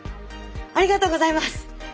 ありがとうございます！